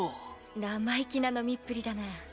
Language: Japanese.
生意気な飲みっぷりだな。